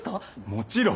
もちろん。